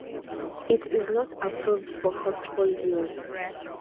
It is not approved for household use.